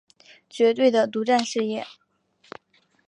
绝对的独占事业